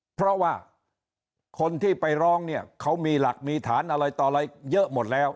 เพราะว่าคนที่ไปร้องเนี่ยเขามีหลักมีฐานอะไรต่ออะไรเยอะหมดแล้ว